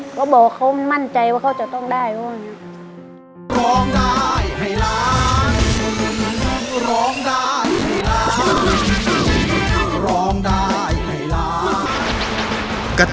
ก็บอกเขามั่นใจว่าเขาจะต้องได้